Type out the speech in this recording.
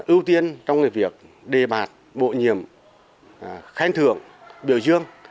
ưu tiên trong việc đề bạt bổ nhiệm khen thưởng biểu dương